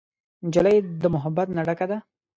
نجلۍ د محبت نه ډکه ده.